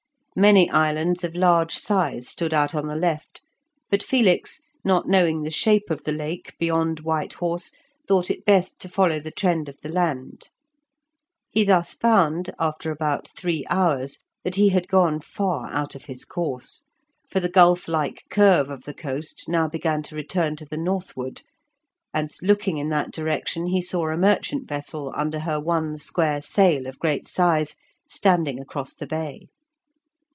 Many islands of large size stood out on the left, but Felix, not knowing the shape of the Lake beyond White Horse, thought it best to follow the trend of the land. He thus found, after about three hours, that he had gone far out of his course, for the gulf like curve of the coast now began to return to the northward, and looking in that direction he saw a merchant vessel under her one square sail of great size, standing across the bay.